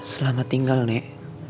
selamat tinggal nek